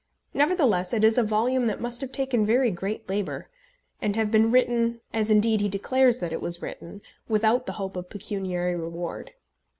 Nevertheless it is a volume that must have taken very great labour, and have been written, as indeed he declares that it was written, without the hope of pecuniary reward.